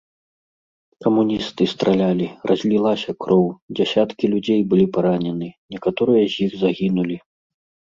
Камуністы стралялі, разлілася кроў, дзясяткі людзей былі паранены, некаторыя з іх загінулі.